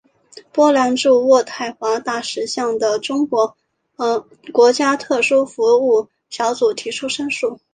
波兰驻渥太华大使向的国家特殊服务小组提出申诉。